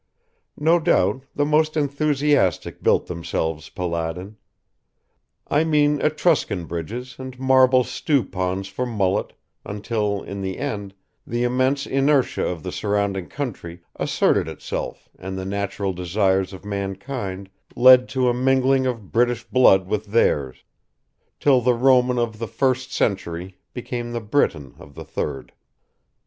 No doubt the most enthusiastic built themselves Palladian ... I mean Etruscan bridges and marble stew ponds for mullet, until, in the end, the immense inertia of the surrounding country asserted itself and the natural desires of mankind led to a mingling of British blood with theirs, till the Roman of the first century became the Briton of the third.